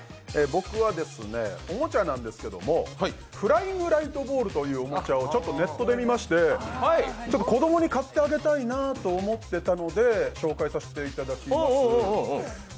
僕はおもちゃなんですけどフライングライトボールというおもちゃをネットで見まして、子供に買ってあげたいなと思ってたので、紹介させていただきます。